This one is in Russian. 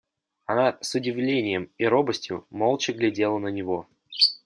Она с удивлением и робостью молча глядела на него.